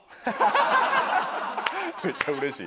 めっちゃ嬉しい。